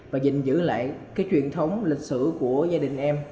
và giữ lại cái truyền thống lịch sử của gia đình em